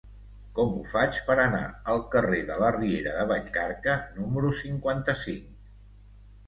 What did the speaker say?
Com ho faig per anar al carrer de la Riera de Vallcarca número cinquanta-cinc?